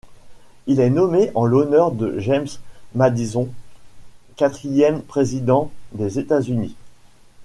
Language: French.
Il est nommé en l'honneur de James Madison, quatrième président des États-Unis.